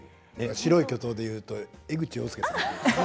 「白い巨塔」でいうと江口洋介さんの方ですね。